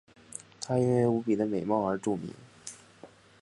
她因为无比的美貌而著名。